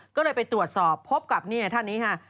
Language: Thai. ก็เลยไปตรวจสอบพบกับนี่ท่านนี้ค่ะ